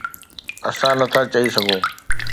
اسان نٿا چئي سگهون.